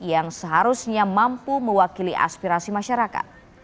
yang seharusnya mampu mewakili aspirasi masyarakat